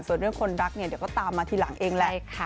ส่วนเรื่องคนรักเนี่ยเดี๋ยวก็ตามมาทีหลังเองแหละ